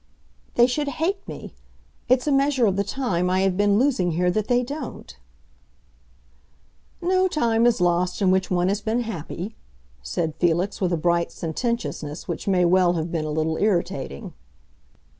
"They should hate me! It's a measure of the time I have been losing here that they don't." "No time is lost in which one has been happy!" said Felix, with a bright sententiousness which may well have been a little irritating.